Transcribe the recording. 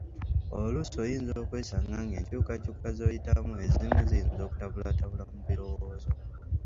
Oluusi oyinza okwesanga ng'enkyukakyuka z'oyitamu ezimu ziyinza okukutabulatabula mu birowoozo